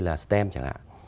như là stem chẳng hạn